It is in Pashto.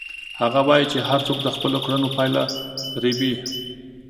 هغه وایي چې هر څوک د خپلو کړنو پایله رېبي.